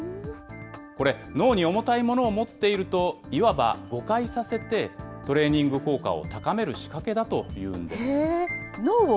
これ、脳に重たいものを持っていると、いわば誤解させて、トレーニング効果を高める仕掛けだというんです。